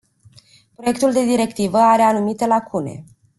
Proiectul de directivă are anumite lacune.